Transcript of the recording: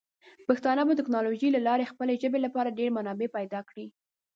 پښتانه به د ټیکنالوجۍ له لارې د خپلې ژبې لپاره ډیر منابع پیدا کړي.